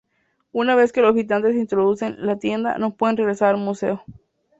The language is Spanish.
Una vez que los visitantes se introducen la tienda, no pueden regresar al museo.